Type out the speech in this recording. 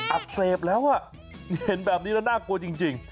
อักเสบแล้วอ่ะเห็นแบบนี้แล้วน่ากลัวจริง